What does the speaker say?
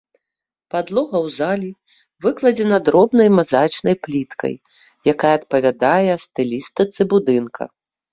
Падлога ў зале выкладзена дробнай мазаічнай пліткай, якая адпавядае стылістыцы будынка.